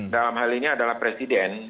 dalam hal ini adalah presiden